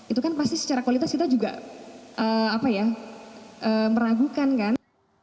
itu kan pasti secara kualitas kita juga meragukan kan